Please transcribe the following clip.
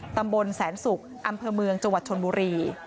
ตำบลแสนศุกร์อำเภอเมืองจังหวัดชนบุรี